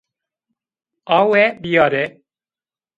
Awe bîyare